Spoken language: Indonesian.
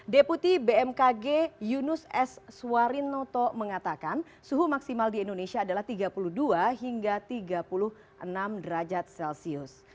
deputi bmkg yunus s suwarinoto mengatakan suhu maksimal di indonesia adalah tiga puluh dua hingga tiga puluh enam derajat celcius